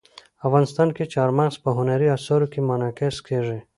افغانستان کې چار مغز په هنري اثارو کې منعکس کېږي.